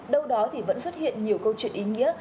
đâu đó thì vẫn xuất hiện nhiều câu chuyện ý nghĩa